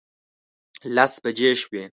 لس بجې شوې.